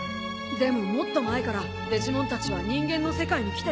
でももっと前からデジモンたちは人間の世界に来てた。